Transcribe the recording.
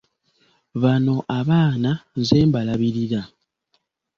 Bano abaana nze mbalabirira.